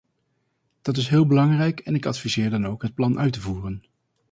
Dat is heel belangrijk en ik adviseer dan ook het plan uit te voeren.